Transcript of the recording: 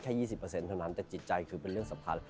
แค่๒๐เท่านั้นแต่จิตใจคือเป็นเรื่องสำคัญ